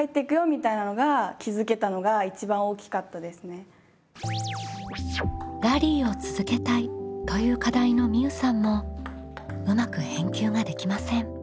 私「ラリーを続けたい」という課題のみうさんもうまく返球ができません。